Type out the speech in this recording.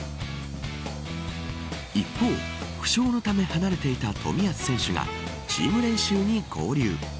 一方、負傷のため離れていた冨安選手がチーム練習に合流。